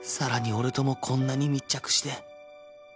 俺ともこんなに密着して